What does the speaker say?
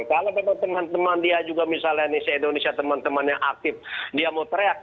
kalau memang teman teman dia juga misalnya indonesia teman teman yang aktif dia mau teriak